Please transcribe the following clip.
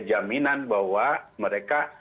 jaminan bahwa mereka